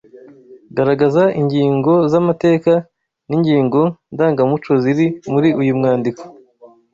Garagaza ingingo z’amateka n’ingingo ndangamuco ziri muri uyu mwandiko